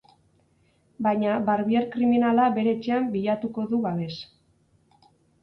Baina Barbier kriminala bere etxean bilatuko du babes.